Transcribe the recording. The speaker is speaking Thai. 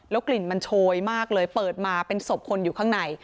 กลิ่นมันโชยมากเลยเปิดมาเป็นศพคนอยู่ข้างใน